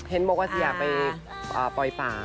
เฮ็นมุกวาซียาไปปล่อยป่า